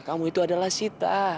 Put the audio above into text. kamu itu adalah sita